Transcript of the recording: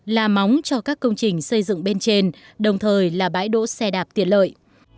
là móng cho các công trình xây dựng bên trên đồng thời là bãi đỗ xe đạp tiện lợi